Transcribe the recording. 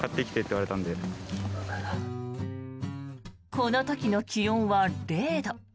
この時の気温は０度。